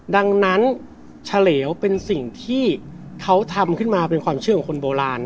ดังนั้นเฉลวเป็นสิ่งที่เขาทำขึ้นมาเป็นความเชื่อของคนโบราณ